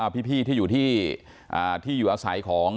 พี่ที่อยู่ที่อยู่อาศัยของ